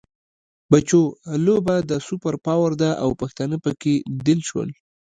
بچو! لوبه د سوپر پاور ده او پښتانه پکې دل شول.